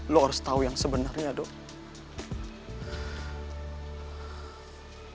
lo harus tahu yang sebenarnya dok